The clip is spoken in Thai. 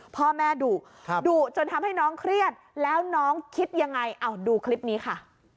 พ่อแม่ดุดุจนทำให้น้องเครียดแล้วน้องคิดยังไงเอาดูคลิปนี้ค่ะ